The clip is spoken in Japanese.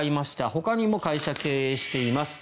ほかにも会社を経営しています。